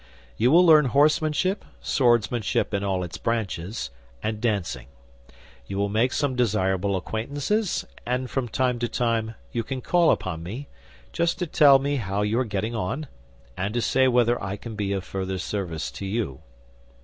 You will learn horsemanship, swordsmanship in all its branches, and dancing. You will make some desirable acquaintances; and from time to time you can call upon me, just to tell me how you are getting on, and to say whether I can be of further service to you."